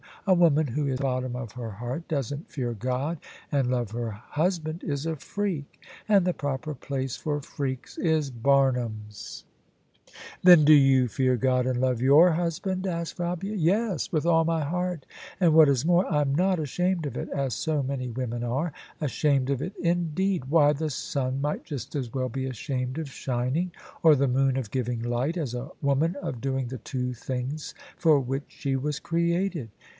A woman who at the bottom of her heart doesn't fear God and love her husband, is a freak; and the proper place for freaks is Barnum's." OF ISABEL CARNABY " Then do you fear God and love your husband ?" asked Fabia. "Yes: with all my heart. And, what is more, I'm not ashamed of it, as so many women are. Ashamed of it, in deed! Why, the sun might just as well be ashamed of shin ing or the moon of giving light, as a woman of doing the two things for which she was created."